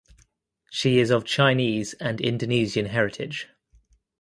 She is of Chinese and Indonesian heritage.